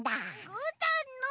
ぐーたんの！